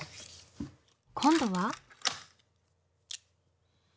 今度は？